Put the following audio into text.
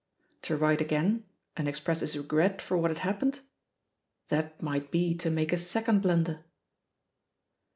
... To write again and express his regret for what had happened? That might be to make a second blunder!